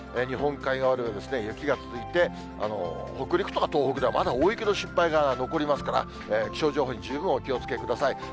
日本海側では雪が続いて、北陸とか東北ではまだ大雪の心配が残りますから、気象情報に十分お気をつけください。